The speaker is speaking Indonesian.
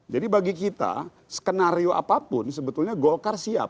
jadi bagi kita skenario apapun sebetulnya golkar siap